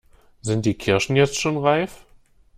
Sind die Kirschen jetzt schon reif?